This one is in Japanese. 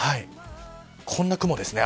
こんな雲ですね。